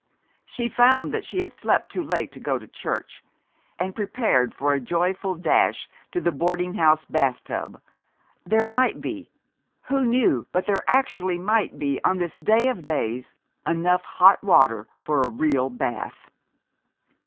She found that she had slept too late to go to church, and prepared for a joyful dash to the boarding house bathtub. There might be who knew but there actually might be on this day of days, enough hot water for a real bath!